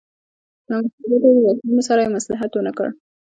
له مستبدو واکمنو سره یې مصلحت ونکړ.